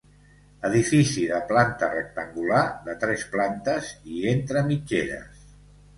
Edifici de planta rectangular de tres plantes i entre mitgeres.